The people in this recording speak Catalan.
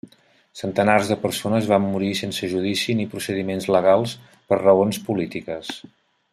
Centenars de persones van morir sense judici ni procediments legals, per raons polítiques.